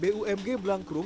bumk kampung sampah blank room